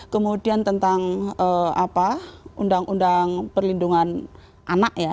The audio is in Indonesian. kemudian tentang undang undang perlindungan anak ya